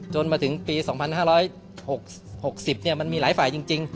มาถึงปี๒๕๖๐มันมีหลายฝ่ายจริง